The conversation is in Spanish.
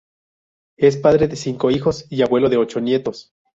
Es padre de cinco hijos y abuelo de ocho nietos.